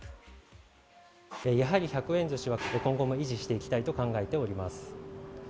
やはり１００円ずしは、今後も維持していきたいと考えております。